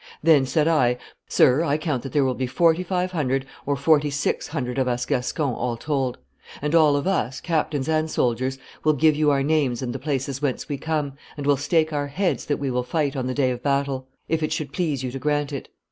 Then said I, 'Sir, I count that there will be forty five hundred or forty six hundred of us Gascons, all told; and all of us, captains and soldiers, will give you our names and the places whence we come, and will stake our heads that we will fight on the day of battle, if it should please you to grant it.